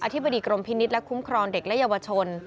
ธิบดีกรมพินิษฐ์และคุ้มครองเด็กและเยาวชน